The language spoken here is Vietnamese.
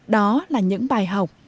đó là những bài học